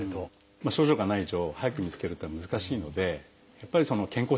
症状がない以上早く見つけるっていうのは難しいのでやっぱり健康診断ですね。